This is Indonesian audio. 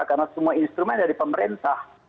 karena semua instrumen dari pemerintah